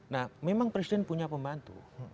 nah memang presiden punya pembantu